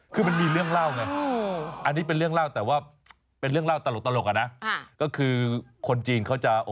คือมันมีเรื่องเล่าไงอันนี้เป็นเรื่องเล่าแต่ว่า